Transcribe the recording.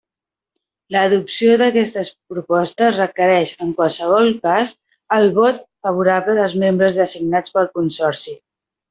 L'adopció d'aquestes propostes requereix, en qualsevol cas, el vot favorable dels membres designats pel Consorci.